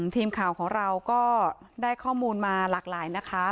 ทีมข่าวของเราก็ได้ข้อมูลมาหลากหลายนะคะ